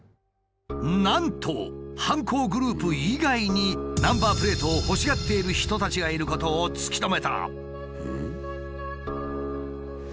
なんと犯行グループ以外にナンバープレートを欲しがっている人たちがいることを突き止めた。